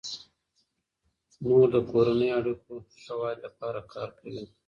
مور د کورنیو اړیکو ښه والي لپاره کار کوي.